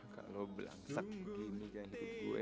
kalau belangsang begini kayak gitu gue